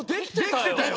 できてたよ。